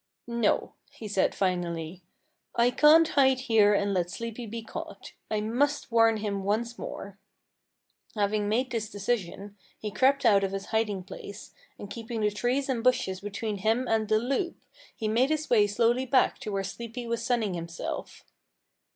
"No," he said finally, "I can't hide here and let Sleepy be caught. I must warn him once more." Having made this decision, he crept out of his hiding place, and keeping the trees and bushes between him and the Loup, he made his way slowly back to where Sleepy was sunning himself.